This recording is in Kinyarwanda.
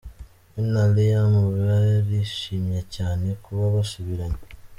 We na Liam barishimye cyane kuba basubiranye.